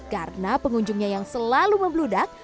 karena pengunjungnya yang selalu membludak